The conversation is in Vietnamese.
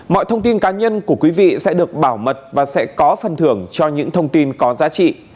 mọi thông tin cá nhân của quý vị sẽ được bảo mật và sẽ có phần thưởng cho những thông tin có giá trị